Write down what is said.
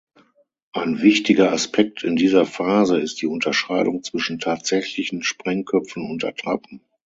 Ein wichtiger Aspekt in dieser Phase ist die Unterscheidung zwischen tatsächlichen Sprengköpfen und Attrappen.